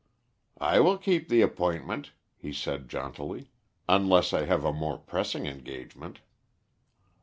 "I will keep the appointment," he said jauntily, "unless I have a more pressing engagement."